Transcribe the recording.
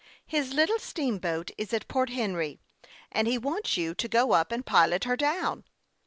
" His little steamboat is at Port Henry, and he wants you to go up and pilot her down."